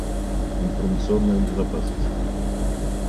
Информационная безопасность